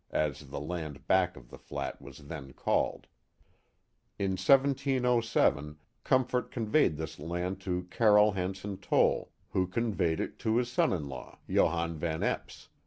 as the land Lack of the flat was then called. In 1707 Comfort conveyed this land to Carel Hanson Toll, who conveyed it to his son in law, Johannes Van Eps.